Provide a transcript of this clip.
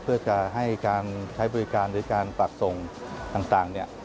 เพื่อจะให้การใช้บริการหรือการปรับส่งต่างเนี่ย